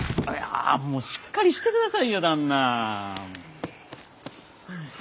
もうしっかりしてくださいよ旦那。